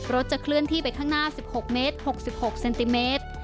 จะเคลื่อนที่ไปข้างหน้า๑๖เมตร๖๖เซนติเมตร